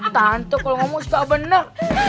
tante kalau ngomong suka benar